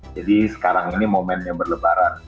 jadi sekarang ini momennya berlebaran